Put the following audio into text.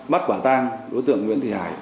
mắt quả tang đối tượng nguyễn thị hải